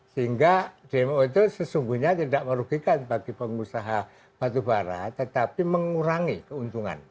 sehingga dmo itu sesungguhnya tidak merugikan bagi pengusaha batubara tetapi mengurangi keuntungan